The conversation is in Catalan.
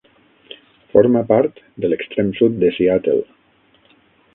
Forma part de l'extrem sud de Seattle.